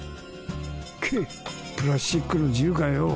けっプラスチックの銃かよ